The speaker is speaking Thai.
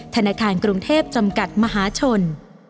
ธนาคารกรุงเทพจำกัดมหาชน